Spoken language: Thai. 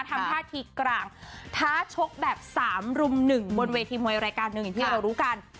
ทำท่าทีกลางท้าชกแบบ๓รุ่มหนึ่งบนเวทีมวยรายการหนึ่งอย่างที่เรารู้กัน